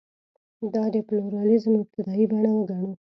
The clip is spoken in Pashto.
دا د پلورالېزم ابتدايي بڼه وګڼو.